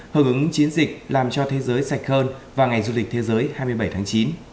hợp ứng chiến dịch làm cho thế giới sạch hơn và ngày du lịch thế giới hai mươi bảy tháng chín